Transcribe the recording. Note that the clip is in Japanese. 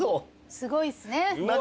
すごいっすね。